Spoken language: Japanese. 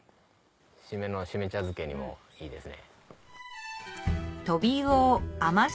締めの締め茶漬けにもいいですね。